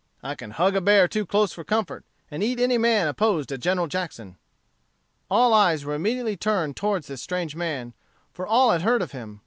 I can hug a bear too close for comfort, and eat any man opposed to General Jackson.'" All eyes were immediately turned toward this strange man, for all had heard of him.